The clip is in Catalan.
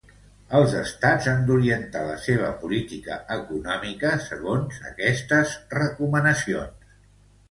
Els Estats han d'orientar la seua política econòmica segons estes recomanacions.